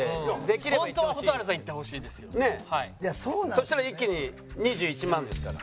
そしたら一気に２１万ですから。